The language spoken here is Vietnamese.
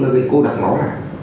nó gây cô đạc máu lại